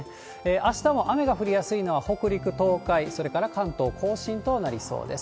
あしたも雨が降りやすいのは北陸、東海、それから関東甲信となりそうです。